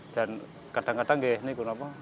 dan kadang kadang ya ini kenapa